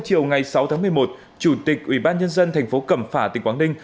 chiều ngày sáu tháng một mươi một chủ tịch ủy ban nhân dân thành phố cẩm phả tỉnh quảng ninh